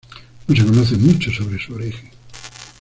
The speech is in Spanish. No se conoce mucho sobre su origen.